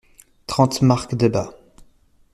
trente marque Debat